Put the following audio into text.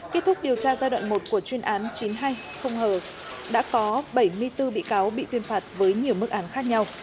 kết thúc điều tra giai đoạn một của chuyên án chín mươi hai không hờ đã có bảy mươi bốn bị cáo bị tuyên phạt với nhiều mức án khác nhau